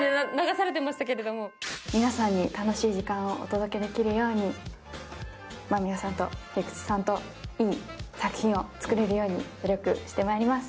皆さんに楽しい時間をお届けできるように間宮さんと菊池さんといい作品を作れるように努力してまいります。